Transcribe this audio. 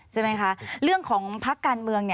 ใช่ไหมคะเรื่องของพักการเมือง